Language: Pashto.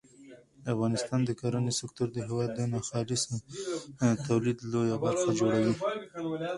د افغانستان د کرنې سکتور د هېواد د ناخالص تولید لویه برخه جوړوي.